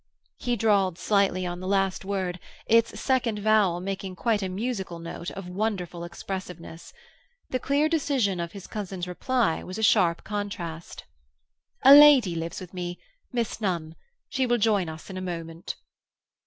He drawled slightly on the last word, its second vowel making quite a musical note, of wonderful expressiveness. The clear decision of his cousin's reply was a sharp contrast. "A lady lives with me—Miss Nunn. She will join us in a moment."